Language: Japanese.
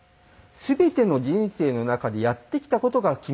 全ての人生の中でやってきた事が君の全て。